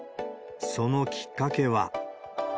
そのきっかけは。